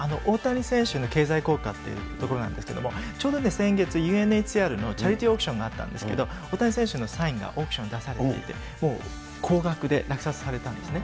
大谷選手の経済効果っていうところなんですけど、ちょうどね、先月、ＵＮＨＣＲのチャリティーオークションがあったんですけど、大谷選手のサインがオークションに出されていて、高額で落札されたんですね。